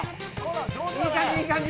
いい感じいい感じ！